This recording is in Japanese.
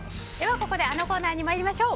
ここであのコーナーに参りましょう。